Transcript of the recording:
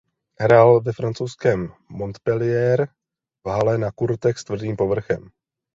Hrál se ve francouzském Montpellier v hale na kurtech s tvrdým povrchem.